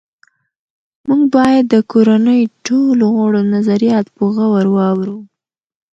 موږ باید د کورنۍ ټولو غړو نظریات په غور واورو